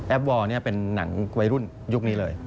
วอร์เป็นหนังวัยรุ่นยุคนี้เลย